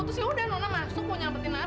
terus yaudah nona masuk mau nyampetin nara